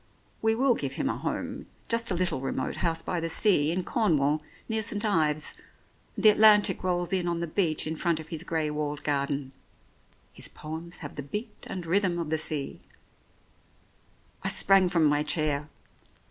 We will give him a home— just a little remote house by the sea, in Cornwall, near St. Ives, and the Atlantic rolls in on the beach in front of his grey walled garden. His poems have the beat and rhythm of the sea " I sprang from my chair.